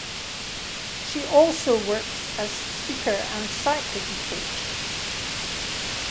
She also works as speaker and cycling coach.